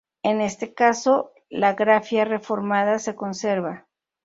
En este caso, la grafía reformada se conserva.